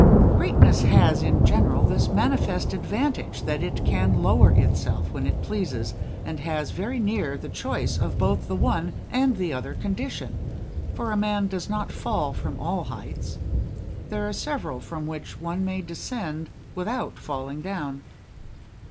Greatness has, in general, this manifest advantage, that it can lower itself when it pleases, and has, very near, the choice of both the one and the other condition; for a man does not fall from all heights; there are several from which one may descend without falling down.